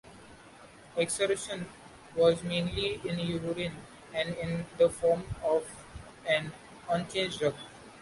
Excretion was mainly in urine and in the form of an unchanged drug.